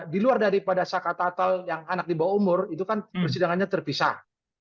di luar daripada saka tatal yang anak di bawah umur itu kan persidangannya terpisah